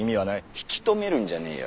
引き止めるんじゃねーよ。